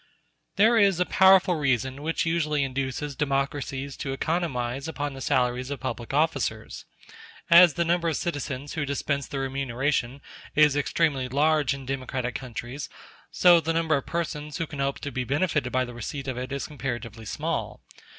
There is a powerful reason which usually induces democracies to economize upon the salaries of public officers. As the number of citizens who dispense the remuneration is extremely large in democratic countries, so the number of persons who can hope to be benefited by the receipt of it is comparatively small.